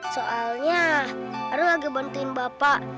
soalnya aku lagi bantuin bapak